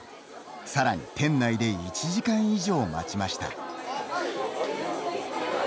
更に店内で１時間以上待ちました。